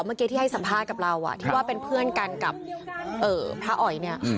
เมื่อกี้ที่ให้สัมภาษณ์กับเราที่ว่าเป็นเพื่อนกันกับพระอ๋อยเนี่ย